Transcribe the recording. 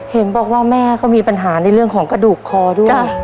เห็นบอกว่าแม่ก็มีปัญหาในเรื่องของกระดูกคอด้วย